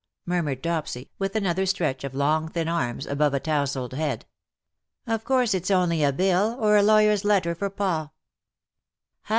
murmured Dopsy, with another stretch of long thin arms above a towzled head. " Of course it's only a bill^ or a lawyer's letter for pa."